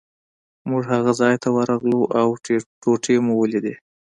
موږ هغه ځای ته ورغلو او ټوټې مو ولیدې.